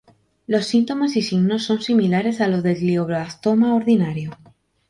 Los síntomas y signos son similares a los del glioblastoma ordinario.